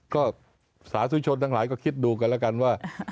ก็สาธุชนทั้งหลายก็คิดดูกันแล้วกันว่า